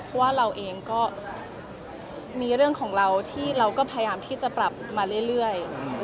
เพราะว่าเราเองก็มีเรื่องของเราที่เราก็พยายามที่จะปรับมาเรื่อย